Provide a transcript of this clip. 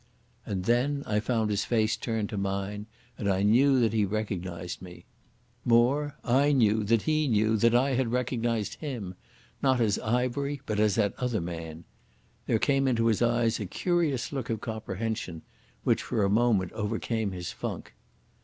And then I found his face turned to mine, and I knew that he recognised me. More, I knew that he knew that I had recognised him—not as Ivery, but as that other man. There came into his eyes a curious look of comprehension, which for a moment overcame his funk.